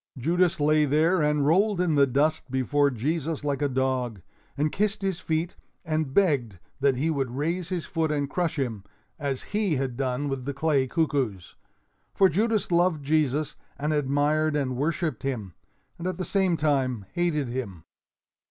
Judas lay there and rolled in the dust before Jesus like a dog, and kissed his feet and begged that he would raise his foot and crush him, as he had done with the clay cuckoos. For Judas loved Jesus and admired and worshiped him, and at the same time hated him.